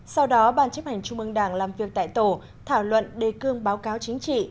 sau đó ban chấp hành trung mương đảng làm việc tại tổ thảo luận đề cương báo cáo chính trị